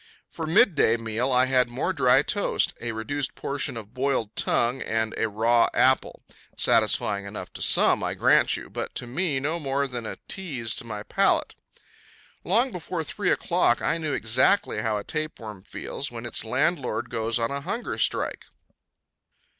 For my midday meal I had more dry toast, a reduced portion of boiled tongue and a raw apple satisfying enough to some, I grant you, but to me no more than a tease to my palate. Long before three o'clock I knew exactly how a tapeworm feels when its landlord goes on a hunger strike.